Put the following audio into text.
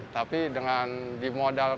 tapi dengan dimodal